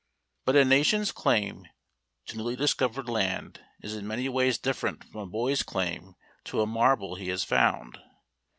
But a nation's claim to newly discovered land is in many ways different from a boy's claim to a marble he has found.